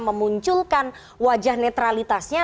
memunculkan wajah netralitasnya